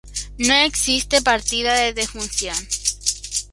No existe partida de defunción.